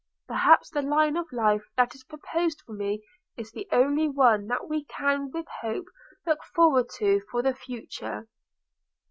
Perhaps the line of life that is proposed for me is the only one that we can with hope look forward to for the future.'